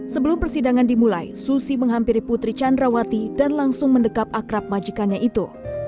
sebelum persidangan dimulai susi menghampiri putri candrawati dan langsung mendekat akrab majikannya itu